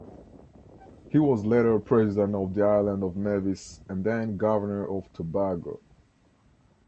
He was later President of the island of Nevis and then Governor of Tobago.